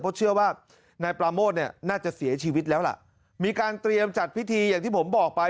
เพราะเชื่อว่านายปราโมทเนี่ยน่าจะเสียชีวิตแล้วล่ะมีการเตรียมจัดพิธีอย่างที่ผมบอกไป